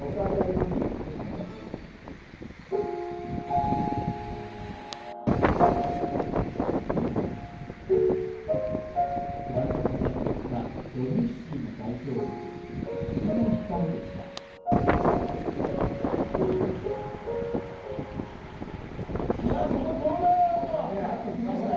音ありありますんでどうぞこれのことかフランスの作曲家ドビュッシーの代表曲「月の光」でしたいやここ東大王もちょっときましたよ